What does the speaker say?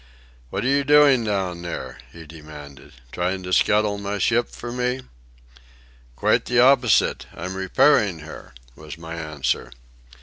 "What are you doing down there?" he demanded. "Trying to scuttle my ship for me?" "Quite the opposite; I'm repairing her," was my answer.